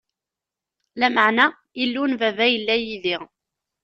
Lameɛna Illu n baba yella yid-i.